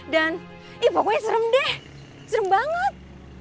dan eh pokoknya serem deh serem banget